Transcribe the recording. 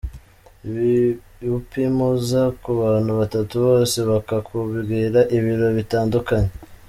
Upimuza ku bantu batatu bose bakakubwira ibiro bitandukanye.